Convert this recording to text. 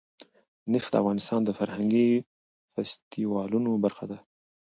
نفت د افغانستان د فرهنګي فستیوالونو برخه ده.